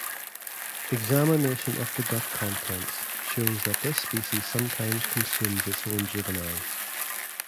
Examination of the gut contents shows that this species sometimes consumes its own juveniles.